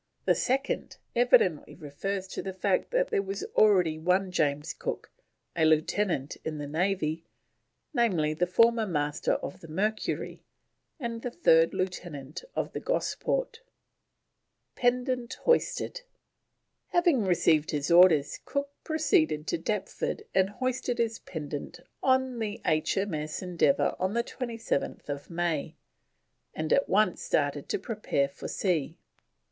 The "(2nd)" evidently refers to the fact that there was already one James Cook, a lieutenant in the Navy, namely, the former Master of the Mercury, and Third Lieutenant of the Gosport. PENDANT HOISTED. Having received his orders Cook proceeded to Deptford and hoisted his pendant on H.M.S. Endeavour on 27th May, and at once started to prepare for sea.